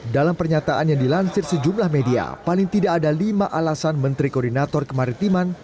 dalam pernyataan yang dilansir sejumlah media paling tidak ada lima alasan menteri koordinator kemaritiman